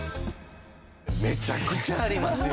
めちゃくちゃありますよ。